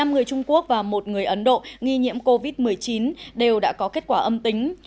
năm người trung quốc và một người ấn độ nghi nhiễm covid một mươi chín đều đã có kết quả âm tính